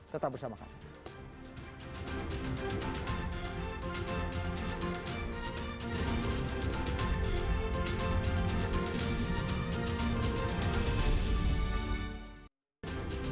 tetap bersama kami